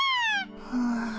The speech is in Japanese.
はあ。